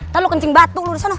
ntar lo kencing batu lo disana